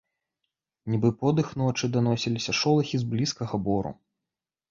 Нібы подых ночы, даносіліся шолахі з блізкага бору.